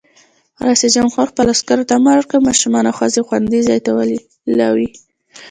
رئیس جمهور خپلو عسکرو ته امر وکړ؛ ماشومان او ښځې خوندي ځای ته ولېلوئ!